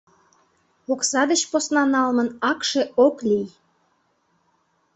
Окса деч посна налмын акше ок лий.